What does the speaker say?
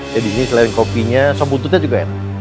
jadi ini selain kopinya sobututnya juga ya